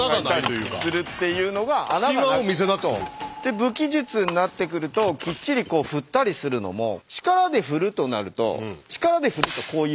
武器術になってくるときっちり振ったりするのも力で振るとなると力で振るとこういう。